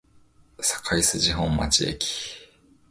堺筋本町駅